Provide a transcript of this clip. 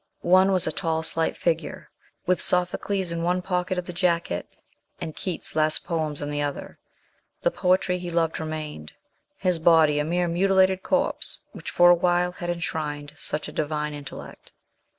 One was a tall, slight figure, with Sophocles in one pocket of the jacket, and Keats's last poems in the other ; the poetry he loved re mained j his body a mere mutilated corpse, which for 172 MRS. SHELLEY. a while had enshrined such divine intellect.